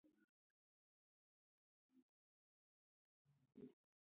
په پسرلي کې کښتونه شنه کېږي.